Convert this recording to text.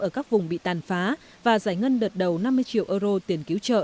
ở các vùng bị tàn phá và giải ngân đợt đầu năm mươi triệu euro tiền cứu trợ